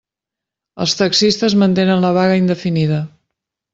Els taxistes mantenen la vaga indefinida.